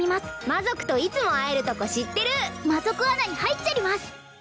魔族といつも会えるとこ知ってる魔族穴に入っちゃります！